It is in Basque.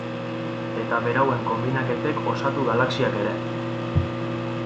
Eta berauen konbinaketek osatu galaxiak ere.